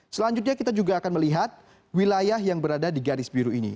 selanjutnya kita juga akan melihat wilayah yang berada di garis biru ini